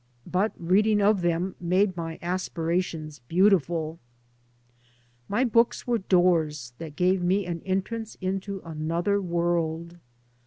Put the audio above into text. But reading of them made my as pirations beautiful. My books were doors that gave me en trance into another world.